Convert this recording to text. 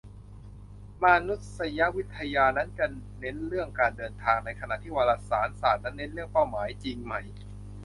"มานุษยวิทยานั้นดูจะเน้นเรื่องการเดินทาง ในขณะที่วารสารศาสตร์นั้นเน้นเรื่องเป้าหมาย" จริงไหม ?